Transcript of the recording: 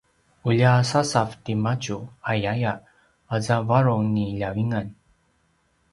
“ulja sasav timadju” ayaya aza a varung ni ljavingan